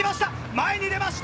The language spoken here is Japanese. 前に出ました！